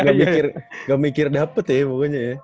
gak mikir gak mikir dapet ya pokoknya ya